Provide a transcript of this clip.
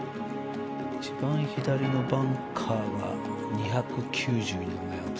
一番左のバンカーが２９４ヤード。